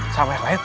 sama yang lain